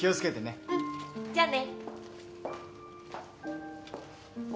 じゃあね。